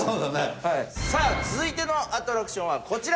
さあ続いてのアトラクションはこちら！